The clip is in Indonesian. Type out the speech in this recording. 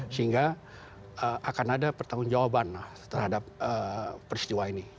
sehingga akan ada pertanggung jawaban terhadap peristiwa ini